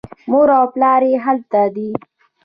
مور او پلار یې هلته دي.